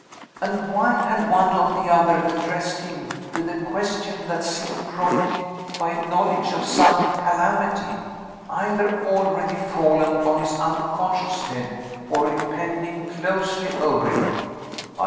And why had one and the other addressed him with a question that seemed prompted by a knowledge of some calamity, either already fallen on his unconscious head, or impending closely over him?